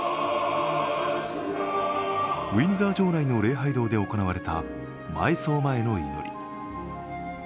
ウィンザー城内の礼拝堂で行われた埋葬前の祈り。